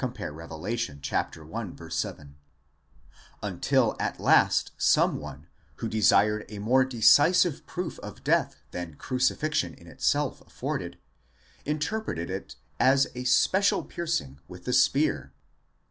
Rev. i. 7); until at last some one, who desired a more decisive proof of death than crucifixion in itself afforded, interpreted it as a special piercing with the spear.